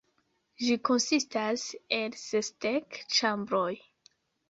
Ĝi konsistas el sesdek ĉambroj.